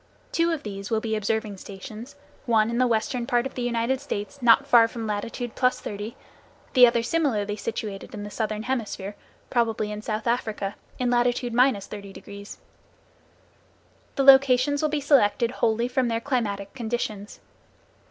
Two of these will be observing stations, one in the western part of the United States, not far from latitude +30°, the other similarly situated in the southern hemisphere, probably in South Africa, in latitude 30°. The locations will be selected wholly from their climatic conditions.